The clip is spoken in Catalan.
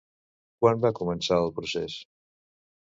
Quan va començar el procés?